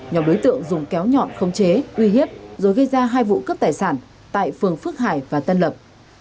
nhóm đối tượng dùng kéo nhọn không chế uy hiếp rồi gây ra hai vụ cướp tài sản tại phường phước hải và tân lập